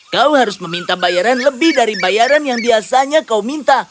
kau harus meminta bayaran lebih dari bayaran yang biasanya kau minta